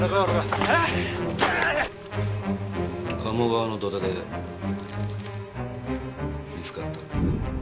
鴨川の土手で見つかった。